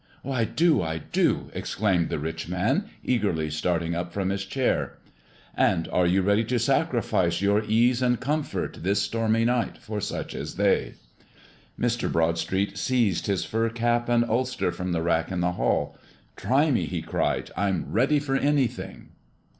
"I do! I do!" exclaimed the rich man, eagerly starting up from his chair. "And are you ready to sacrifice your ease and comfort, this stormy night, for such as they?" Mr. Broadstreet seized his fur cap and ulster from the rack in the hall. "Try me!" he cried. "I'm ready for anything!"